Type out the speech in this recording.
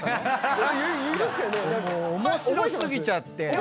面白過ぎちゃって。